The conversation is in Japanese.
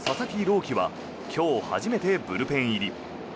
希は今日初めてブルペン入り。